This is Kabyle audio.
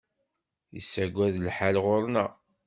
Yessagad lḥal ɣur-neɣ.